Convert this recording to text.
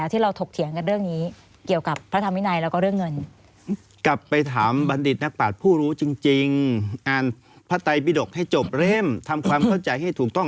ท่านคิดว่าเรื่องนี้ไปถึงแค่ไหน